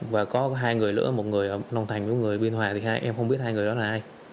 và có hai người nữa một người ở long thành và một người ở biên hòa thì em không biết hai người đó là ai